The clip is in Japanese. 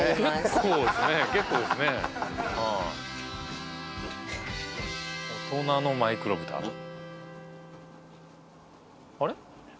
結構ですね結構ですねはい大人のマイクロブタあれ？